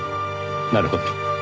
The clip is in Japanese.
なるほど。